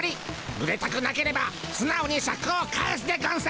ぬれたくなければすなおにシャクを返すでゴンス。